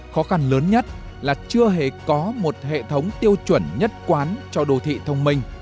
khó khăn lớn nhất là chưa hề có một hệ thống tiêu chuẩn nhất quán cho đô thị thông minh